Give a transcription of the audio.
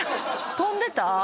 飛んでた？